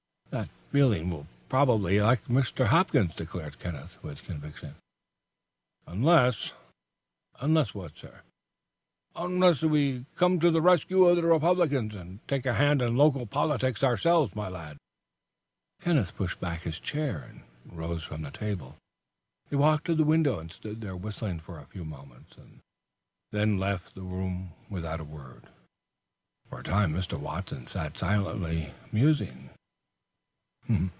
"That feeling will probably elect Mr. Hopkins," declared Kenneth, with conviction. "Unless " "Unless what, sir?" "Unless we come to the rescue of the Republicans and take a hand in local politics ourselves, my lad." Kenneth pushed back his chair and rose from the table. He walked to the window and stood there whistling for a few moments, and then left the room without a word. For a time Mr. Watson sat silently musing.